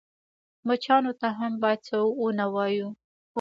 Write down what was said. _مچانو ته هم بايد څه ونه وايو.